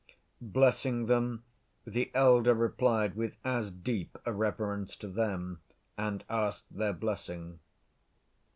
Blessing them, the elder replied with as deep a reverence to them, and asked their blessing.